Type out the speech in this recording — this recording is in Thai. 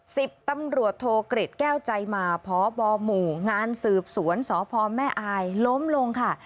สิบตำรวจโทกริจแก้วใจมาพบหมู่งานสืบสวนสพแม่อายล้มลงค่ะ